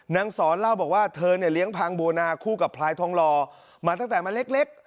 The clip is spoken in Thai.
นางสอนเล่าว่าเธอล้างพังโบโนคู่กับพลายทองหลอมาตั้งแต่เล็ก